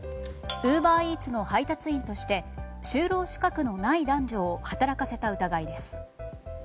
ウーバーイーツの配達員として収録資格のない男女を働かせた疑いです。